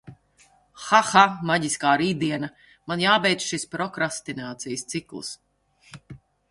Ha ha maģiskā rītdiena, man jābeidz šis prokrastinācijas cikls.